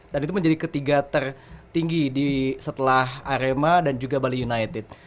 dan itu menjadi ketiga tertinggi setelah arema dan juga bali united